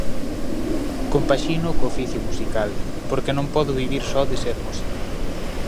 Compaxínoo co oficio musical, porque non podo vivir só de ser músico.